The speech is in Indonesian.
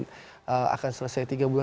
dan akan selesai tiga bulan